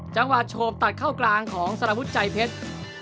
จังหวัดโฉบตัดเข้ากลางของสระพุทธใจเพชร